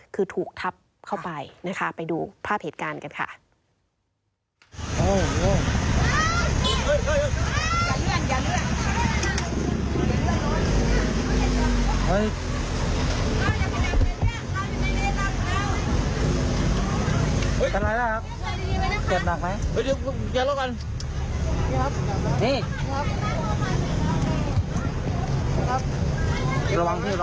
คือถูกทับเข้าไปนะคะไปดูภาพเหตุการณ์กันค่ะ